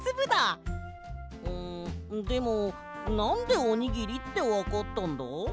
うんでもなんでおにぎりってわかったんだ？